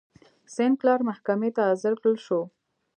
سینکلر محکمې ته حاضر کړل شو.